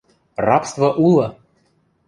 Рабство улы!